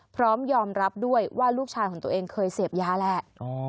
พร้อมยอมรับด้วยว่าลูกชายของตัวเองเคยเสพยาแหละ